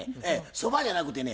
そばじゃなくてね